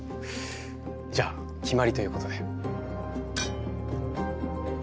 じゃあ決まりということで。